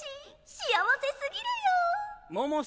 幸せすぎるよ！